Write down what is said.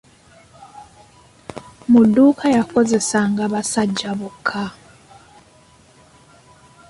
Mu dduuka yakozesanga basajja bokka!